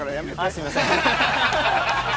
◆すいません。